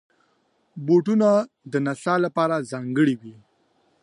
بوټونه د نڅا لپاره ځانګړي وي.